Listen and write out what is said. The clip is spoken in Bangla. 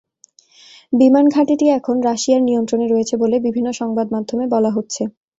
বিমান ঘাঁটিটি এখন রাশিয়ার নিয়ন্ত্রণে রয়েছে বলে বিভিন্ন সংবাদ মাধ্যমে বলা হচ্ছে।